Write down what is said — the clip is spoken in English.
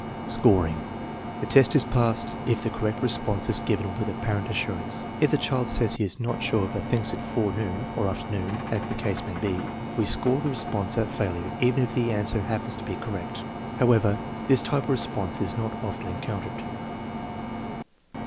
Scoring. The test is passed if the correct response is given \gith apparent^auianjcg.^ If the child says he is not sure but thinks it forenoon (or afternoon, as the case may be), we score the response a failure even if the answer hap pens to be correct. However, this type of response is not often encountered.